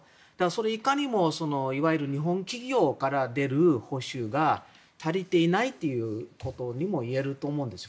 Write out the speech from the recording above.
それは、いかにも日本企業から出る報酬が足りていないということにもいえると思うんです。